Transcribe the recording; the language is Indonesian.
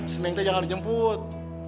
si neng teh jangan dijemput